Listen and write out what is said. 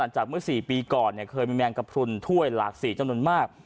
ต่างจากเมื่อสี่ปีก่อนเนี่ยเคยมีแมงกระพรุนถ้วยหลากสี่จำนวนมาก